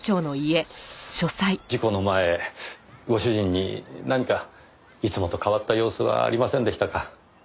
事故の前ご主人に何かいつもと変わった様子はありませんでしたか？